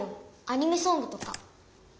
アニメソングとか。